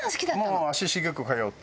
もう足しげく通って。